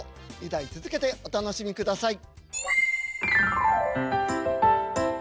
２題続けてお楽しみください。